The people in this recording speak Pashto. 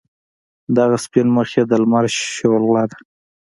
دغه سپین مخ یې د لمر شعله ده.